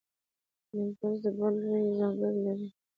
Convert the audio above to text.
نیمروز دوه لوی ځانګړنې لرلې.